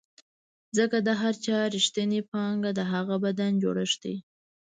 ځکه د هر چا رښتینې پانګه د هغه بدن جوړښت دی.